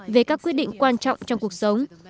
về các quyết định quan trọng trong cuộc sống